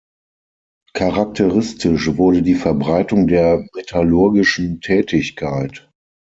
Charakteristisch wurde die Verbreitung der metallurgischen Tätigkeit.